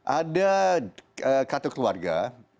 ada kata keluarga